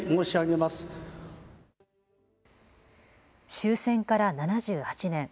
終戦から７８年。